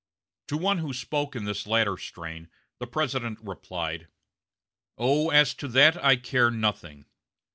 To one who spoke in this latter strain the President replied: "Oh, as to that I care nothing.